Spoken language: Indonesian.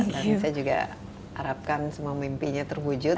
saya juga harapkan semua mimpinya terwujud